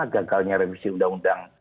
gagalnya revisi undang undang